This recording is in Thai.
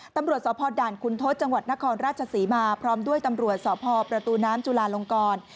ตำรวจสพด่านคุณทศจังหวัดนครราชศรีมาพร้อมด้วยตำรวจสพประตูน้ำจุลาลงกร